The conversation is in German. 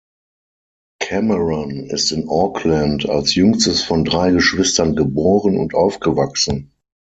Cameron ist in Auckland als jüngstes von drei Geschwistern geboren und aufgewachsen.